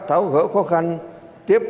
tháo gỡ khó khăn tiếp